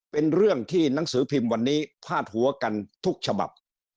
เป็นเรื่องที่หนังสือพิมพ์วันนี้พาดหัวกันทุกฉบับ